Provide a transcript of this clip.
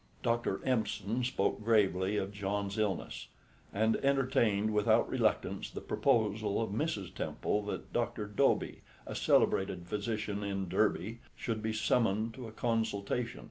Dr. Empson spoke gravely of John's illness, and entertained without reluctance the proposal of Mrs. Temple, that Dr. Dobie, a celebrated physician in Derby, should be summoned to a consultation.